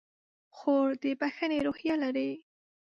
خور د بښنې روحیه لري.